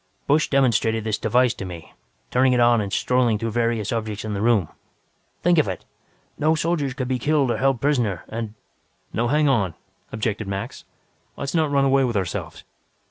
"Busch demonstrated this device to me, turning it on and strolling through various objects in this room. Think of it! No soldier could be killed or held prisoner. And " "Now hang on," objected Max. "Let's not run away with ourselves.